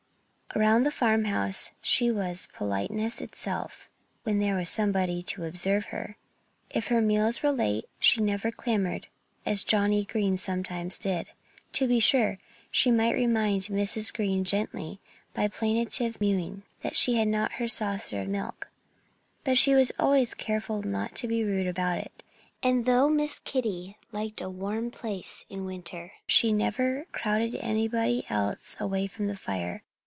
Around the farmhouse she was politeness itself when there was anybody to observe her. If her meals were late she never clamored, as Johnnie Green sometimes did. To be sure, she might remind Mrs. Green gently, by plaintive mewing, that she had not had her saucer of milk. But she was always careful not to be rude about it. And though Miss Kitty liked a warm place in winter, she never crowded anybody else away from the fire.